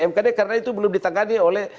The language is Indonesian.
mkd karena itu belum ditangani oleh